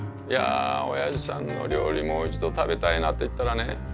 「いやおやじさんの料理もう一度食べたいな」って言ったらね